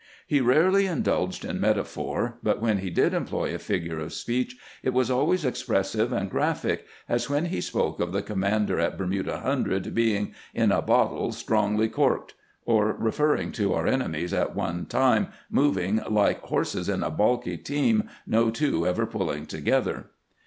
He rarely indulged in metaphor, but when he did employ a figure of speech it was always expressive and graphic, as when he spoke of the commander at Bermuda Hundred being " in a bottle strongly corked," or referred to our armies at one time moving " like horses in a balky team, no two ever pulling together."